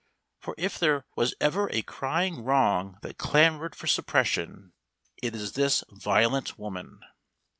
For if there was ever a crying wrong that clamoured for suppression it is this violent woman.